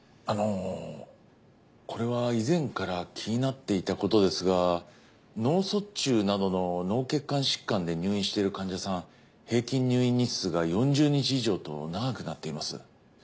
あのうこれは以前から気になっていたことですが脳卒中などの脳血管疾患で入院している患者さん平均入院日数が４０日以上と長くなっています。